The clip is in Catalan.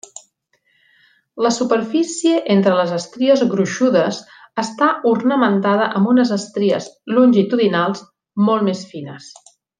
La superfície entre les estries gruixudes està ornamentada amb unes estries longitudinals molt més fines.